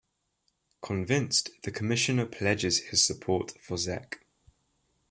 Convinced, the commissioner pledges his support for Zek.